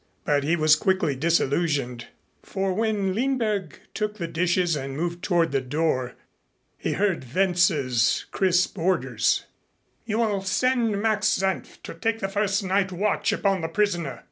But he was quickly disillusioned, for when Lindberg took the dishes and moved toward the door, he heard Wentz's crisp orders: "You will send Max Senf to take the first night watch upon the prisoner.